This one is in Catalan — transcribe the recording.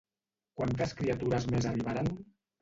Quantes criatures més arribaren?